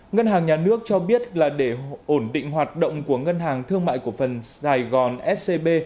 ngân hàng nhà nước cho biết là để ổn định hoạt động của ngân hàng thương mại cổ phần sài gòn scb